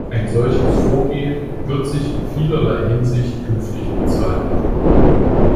Ein solches Vorgehen wird sich in vielerlei Hinsicht künftig bezahlt machen.